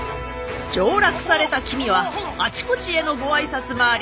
上洛された君はあちこちへのご挨拶回りに大忙し。